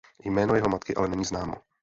Jméno jeho matky ale není známo.